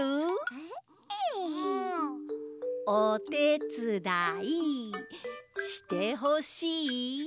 おてつだいしてほしい？